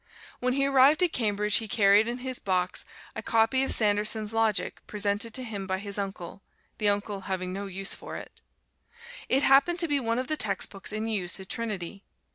When he arrived at Cambridge, he carried in his box a copy of Sanderson's Logic presented to him by his uncle the uncle having no use for it. It happened to be one of the textbooks in use at Trinity.